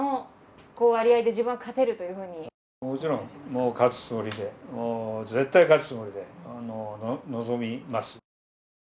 もちろん、勝つつもりで絶対勝つつもりで臨みます。